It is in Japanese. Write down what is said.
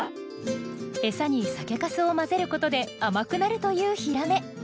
餌に酒かすを混ぜることで甘くなるというヒラメ。